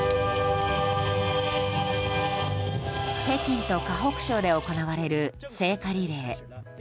北京と河北省で行われる聖火リレー。